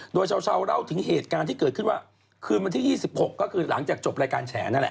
โดยชาวเล่าถึงเหตุการณ์ที่เกิดขึ้นว่าคืนวันที่๒๖ก็คือหลังจากจบรายการแฉนั่นแหละ